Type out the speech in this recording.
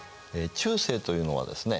中世というのはですね